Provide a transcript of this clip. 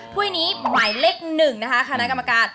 ถ้วยนี้หมายเลข๑นะคะคณะกรรมการ